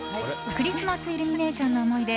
クリスマスイルミネーションの思い出